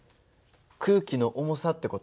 空気の重さって事？